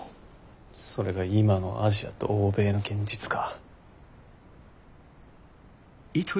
それが今のアジアと欧米の現実か。